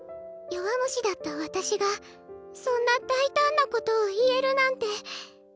弱虫だった私がそんな大胆なことを言えるなんて。